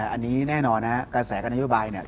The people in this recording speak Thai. อันนี้แน่นอนนะครับกระแสกับนโยบายเนี่ย